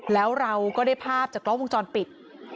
แล้วเราก็ได้ภาพจากกล้องวงจรปิด